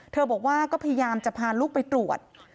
บอกว่าก็พยายามจะพาลูกไปตรวจ